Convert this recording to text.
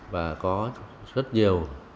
và có rất nhiều